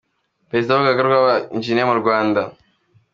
Perezida w’Urugaga rw’Aba- engineer mu Rwanda, Eng.